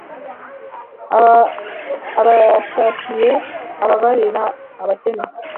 aba abishakiye ubabarira abakene